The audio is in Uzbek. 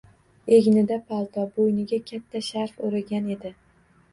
Egnida palto, boʻyniga katta sharf oʻragan edi.